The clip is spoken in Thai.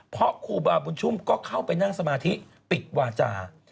เพราะครูบาบุญชุมก็เข้าไปนั่งสมาธิปิดวาจา